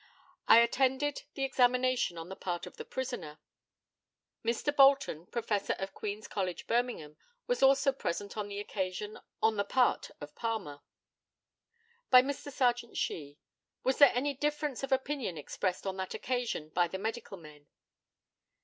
I attended the examination on the part of the prisoner. Mr. Bolton, professor of Queen's College, Birmingham, was also present on the occasion on the part of Palmer. By Mr. Serjeant SHEE: Was there any difference of opinion expressed on that occasion by the medical men?